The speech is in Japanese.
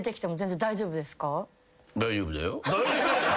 大丈夫だよ。